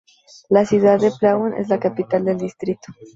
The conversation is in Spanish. La ciudad de Plauen es la capital del distrito.